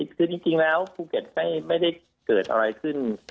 คือจริงแล้วภูเก็ตไม่ได้เกิดอะไรขึ้น